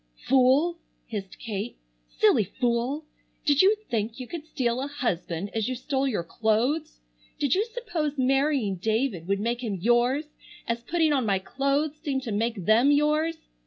"Fool!" hissed Kate. "Silly fool! Did you think you could steal a husband as you stole your clothes? Did you suppose marrying David would make him yours, as putting on my clothes seemed to make them yours?